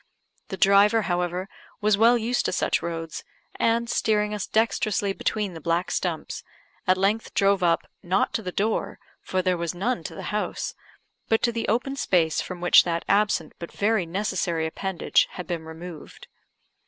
The driver, however, was well used to such roads, and, steering us dexterously between the black stumps, at length drove up, not to the door, for there was none to the house, but to the open space from which that absent but very necessary appendage had been removed.